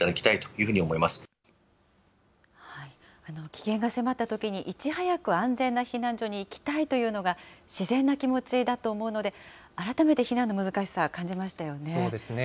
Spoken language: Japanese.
危険が迫ったときに、いち早く安全な避難所に行きたいというのが自然な気持ちだと思うので、改めて避難の難しさ、感じましたそうですね。